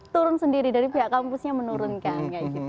turun sendiri dari pihak kampusnya menurunkan